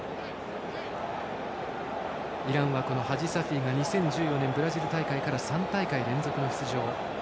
イランはこのハジサフィが２０１４年ブラジル大会から３大会連続出場。